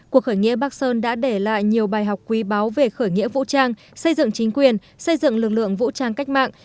cuộc khởi nghĩa bắc sơn đã để lại nhiều bài học quý báo về khởi nghĩa vũ trang xây dựng chính quyền xây dựng lực lượng vũ trang cách mạng